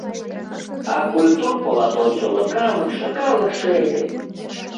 А культур полат ончылно калыкше, калыкше!..